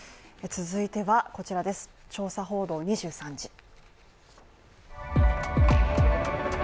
続いては、「調査報道２３時」。